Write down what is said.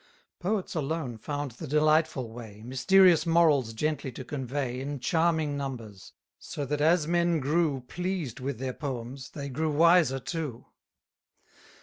Poets alone found the delightful way, Mysterious morals gently to convey In charming numbers; so that as men grew Pleased with their poems, they grew wiser too.